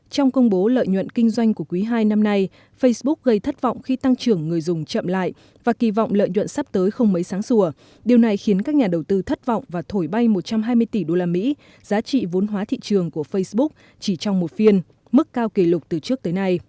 trong công bố lợi nhuận kinh doanh của quý hai năm nay facebook gây thất vọng khi tăng trưởng người dùng chậm lại và kỳ vọng lợi nhuận sắp tới không mấy sáng sùa điều này khiến các nhà đầu tư thất vọng và thổi bay một trăm hai mươi tỷ usd giá trị vốn hóa thị trường của facebook chỉ trong một phiên mức cao kỷ lục từ trước tới nay